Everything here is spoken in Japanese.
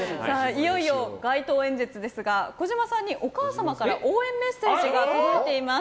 いよいよ街頭演説ですが小島さんにお母様から応援メッセージが届いています。